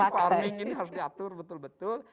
farming ini harus diatur betul betul